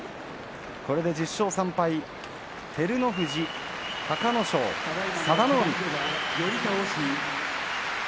これで１０勝３敗、照ノ富士隆の勝、佐田の海。